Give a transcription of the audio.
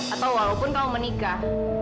atau walaupun kamu menikah